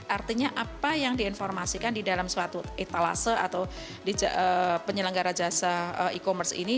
artinya apa yang diinformasikan di dalam suatu etalase atau di penyelenggara jasa e commerce ini